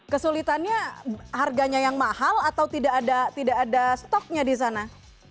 kesulitannya harganya yang mahal atau tidak ada stoknya di sana